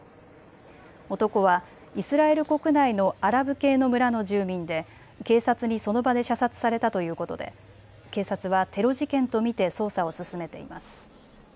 男はイスラエル国内のアラブ系の村の住民で警察にその場で射殺されたということで警察はテロ事件と見て捜査を進めています。